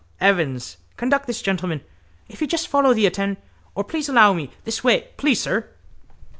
Evans, conduct this gentleman... If you just follow the atten... Or, please allow me... This way... Please, sir...